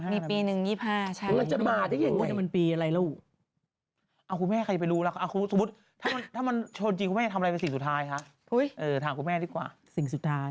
นางคิดแบบว่าไม่ไหวแล้วไปกด